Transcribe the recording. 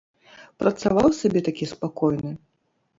Працаваў сабе такі спакойны.